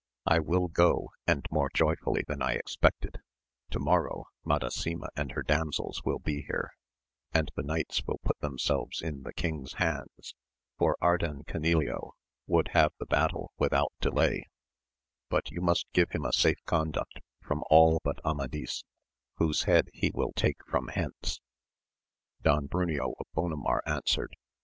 — I will go, and more joyfully than I expected ; to morrow Madasima and her damsels will be here, and the knights will put themselves in the king's hands, for Ardan Canileo would have the battle without delay ; but you must give him a safe conduct from all but Amadis, whose head he will take from hence. Don Bruneo of Bonamar answered.